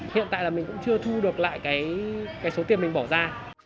hiện tại là mình cũng chưa thu được lại cái số tiền mình bỏ ra